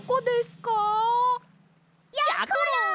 やころ！